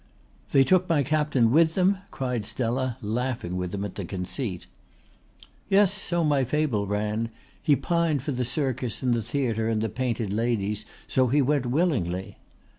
"They took my captain with them?" cried Stella, laughing with him at the conceit. "Yes, so my fable ran. He pined for the circus and the theatre and the painted ladies, so he went willingly."